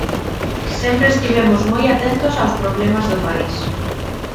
Sempre estivemos moi atentos aos problemas do país.